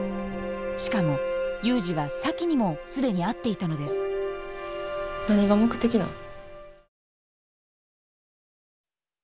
しかも祐二は咲妃にも既に会っていたのです何が目的なん？